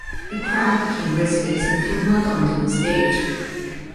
The crowd became restless and threw mud onto the stage.